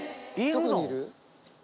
どこにいる？